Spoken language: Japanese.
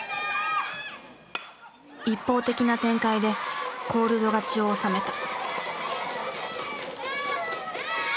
一方的な展開でコールド勝ちを収めた。